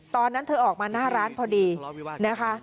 ตอนนั้นเธอออกมาหน้าร้านพอดีนะคะ